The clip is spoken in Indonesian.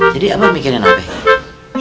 jadi abah mikirin apa ya